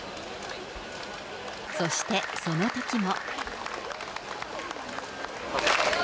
そしてそのときも。